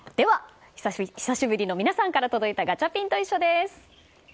久しぶりに、皆さんから届いたガチャピンといっしょ！です。